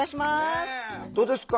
どうですか？